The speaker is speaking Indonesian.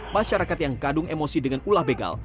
masyarakat yang kadung emosi dengan ulah begal